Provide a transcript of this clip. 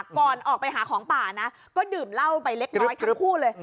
ก่อนออกไปหาของป่านะก็ดื่มเหล้าไปเล็กน้อยทั้งคู่เลย